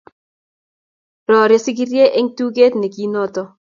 rorie sigirie eng' tuget ne kinto